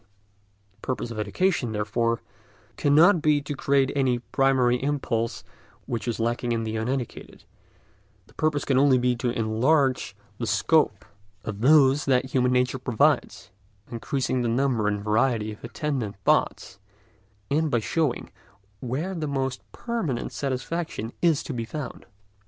The purpose of education, therefore, cannot be to create any primary impulse which is lacking in the uneducated; the purpose can only be to enlarge the scope of those that human nature provides, by increasing the number and variety of attendant thoughts, and by showing where the most permanent satisfaction is to be found.